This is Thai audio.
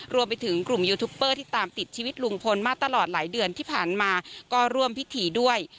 รวมไปถึงกลุ่มยูทูปเปอร์ที่ตามติดชีวิตลุงพลมาตลอดหลายเดือนที่ผ่านมาก็ร่วมพิธีด้วย